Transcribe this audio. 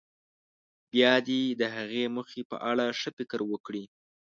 بیا دې د هغې موخې په اړه ښه فکر وکړي.